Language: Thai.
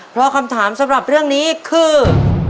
เพราะคำถามสำหรับเรื่องนี้คือ